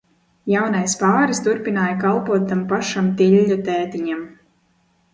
Jaunais pāris turpināja kalpot tam pašam Tiļļu tētiņam.